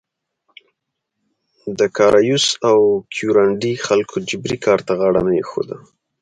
د کارایوس او کیورانډي خلکو جبري کار ته غاړه کې نه ایښوده.